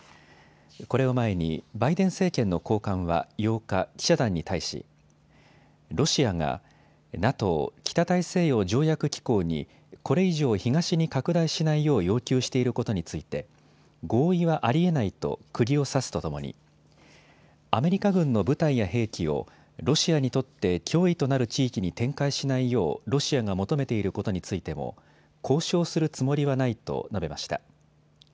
これを前にバイデン政権の高官は８日、記者団に対しロシアがＮＡＴＯ・北大西洋条約機構にこれ以上、東に拡大しないよう要求していることについて合意はありえないとくぎを刺すとともにアメリカ軍の部隊や兵器をロシアにとって脅威となる地域に展開しないようロシアが求めていることについても交渉するつもりはないと述べました。